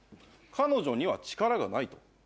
彼女には力がないと。